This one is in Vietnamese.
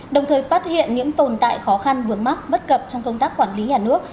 đồng thời phát hiện những tồn tại khó khăn vướng mắt bất cập trong công tác quản lý nhà nước